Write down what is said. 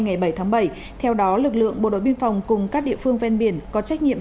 ngày bảy tháng bảy theo đó lực lượng bộ đội biên phòng cùng các địa phương ven biển có trách nhiệm